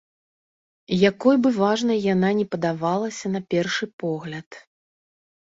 Якой бы важнай яна ні падавалася на першы погляд.